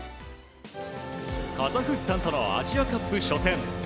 カザフスタンとのアジアカップ初戦。